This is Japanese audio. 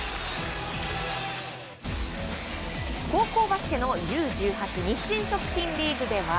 高校バスケのＵ‐１８日清食品リーグでは